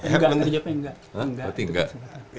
enggak menurut saya enggak